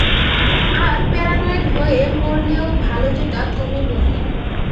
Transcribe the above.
আর paranoid হয়ে মরলেও ভালো যেটা তুমি বললে।